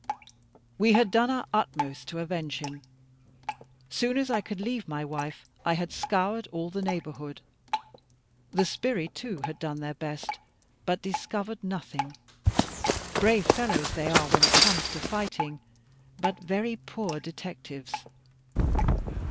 We had done our utmost to avenge him: soon as I could leave my wife, I had scoured all the neighbourhood. The Sbirri too had done their best, but discovered nothing. Brave fellows they are, when it comes to fighting, but very poor detectives.